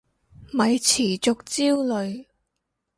咪持續焦慮